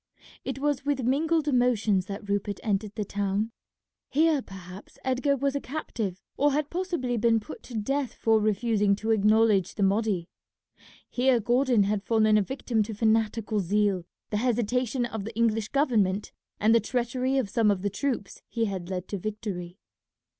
It was with mingled emotions that Rupert entered the town. Here perhaps Edgar was a captive, or had possibly been put to death for refusing to acknowledge the Mahdi. Here Gordon had fallen a victim to fanatical zeal, the hesitation of the English government, and the treachery of some of the troops he had led to victory.